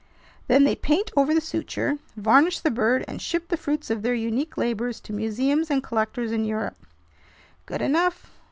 Then they paint over the suture, varnish the bird, and ship the fruits of their unique labors to museums and collectors in Europe." "Good enough!"